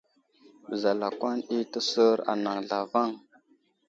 Beza lakwan ɗi təsər anaŋ zlavaŋ.